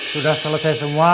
sudah selesai semua